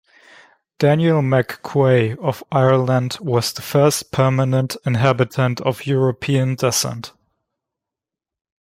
Daniel McQuay of Ireland was the first permanent inhabitant of European descent.